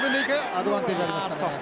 アドバンテージありましたね。